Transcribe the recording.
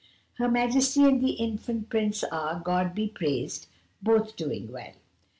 "Her Majesty and the Infant Prince are, God be praised, both doing well."